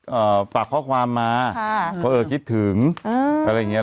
เอ่อฝากข้อความมาค่ะเพราะเออคิดถึงอ่าอะไรอย่างเงี้